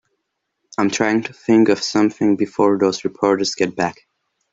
I'm trying to think of something before those reporters get back.